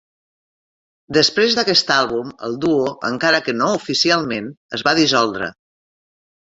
Després d'aquest àlbum, el duo, encara que no oficialment, es va dissoldre.